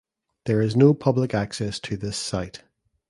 There is no public access to this site.